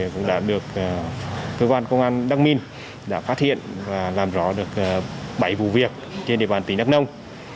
cơ quan công an đắc minh đã phát hiện và làm rõ được bảy vụ việc trên địa bàn tỉnh đắc nông